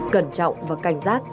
cẩn trọng và cảnh giác